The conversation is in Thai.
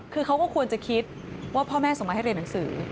คือเขาก็ควรจะคิดว่าพ่อแม่ส่งมาให้เรียนหนังสือ